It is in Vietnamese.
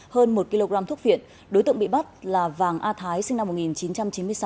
hơn một kg thuốc viện đối tượng bị bắt là vàng a thái sinh năm một nghìn chín trăm chín mươi sáu